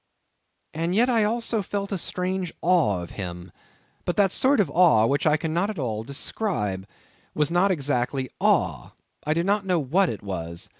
And yet I also felt a strange awe of him; but that sort of awe, which I cannot at all describe, was not exactly awe; I do not know what it was.